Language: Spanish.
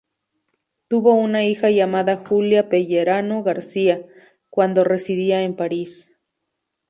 Tuvo una hija llamada Julia Pellerano García, cuando residía en París.